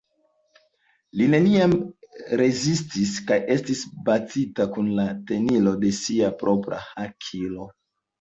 Li neniam rezistis kaj estis batita kun la tenilo de sia propra hakilo.